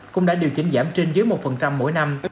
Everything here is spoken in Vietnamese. cũng đã điều chỉnh giảm trên dưới một mỗi năm